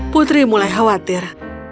putri mulai khawatir